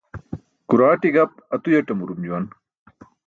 Kuraaṭi gap atuyaṭamurum juwan.